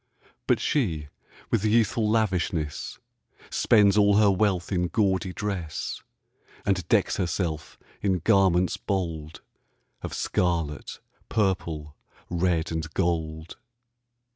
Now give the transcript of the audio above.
But she, with youthful lavishness, Spends all her wealth in gaudy dress, And decks herself in garments bold Of scarlet, purple, red, and gold.